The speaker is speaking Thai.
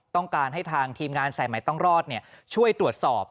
ต้องการให้ทางทีมงานสายใหม่ต้องรอดช่วยตรวจสอบ